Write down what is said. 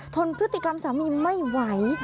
ทนพฤติกรรมสามีไม่ไหว